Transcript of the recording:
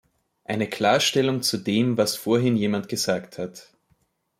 Eine Klarstellung zu dem, was vorhin jemand gesagt hat.